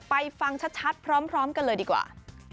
ฟังชัดพร้อมกันเลยดีกว่า